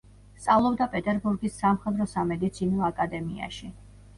სწავლობდა პეტერბურგის სამხედრო-სამედიცინო აკადემიაში.